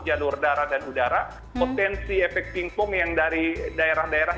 jalur darah dan udara potensi efek pingpong yang dari daerah daerah